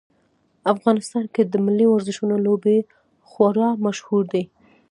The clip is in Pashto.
افغانستان کې د ملي ورزشونو لوبې خورا مشهورې دي